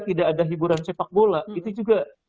tidak ada hiburan sepak bola itu juga